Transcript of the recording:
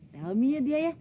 tell me ya dia ya